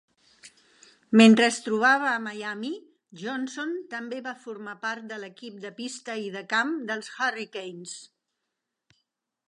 Mentre es trobava a Miami, Johnson també va formar part de l'equip de pista i de camp dels Hurricanes.